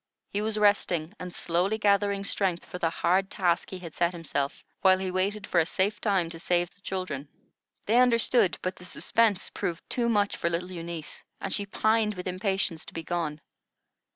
He was resting and slowly gathering strength for the hard task he had set himself, while he waited for a safe time to save the children. They understood, but the suspense proved too much for little Eunice, and she pined with impatience to be gone.